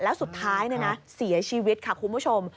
แล้วสุดท้ายเสียชีวิตค่ะคุณผู้ชม